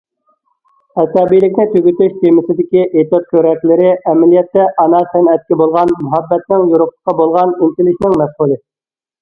‹‹ ئەسەبىيلىكنى تۈگىتىش›› تېمىسىدىكى ئېتۇت كۆرەكلىرى، ئەمەلىيەتتە، ئانا سەنئەتكە بولغان مۇھەببەتنىڭ، يورۇقلۇققا بولغان ئىنتىلىشنىڭ مەھسۇلى.